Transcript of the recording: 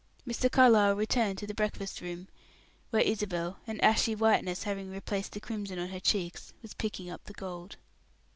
Mr. Carlyle returned to the breakfast room, where Isabel, an ashy whiteness having replaced the crimson on her cheeks, was picking up the gold.